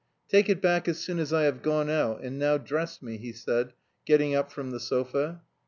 "Take it back as soon as I have gone out, and now dress me," he said, getting up from the sofa.